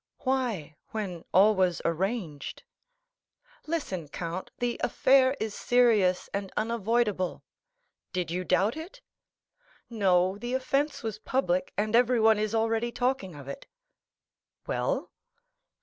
"Why, when all was arranged?" "Listen, count; the affair is serious and unavoidable." "Did you doubt it!" "No; the offence was public, and everyone is already talking of it." "Well?"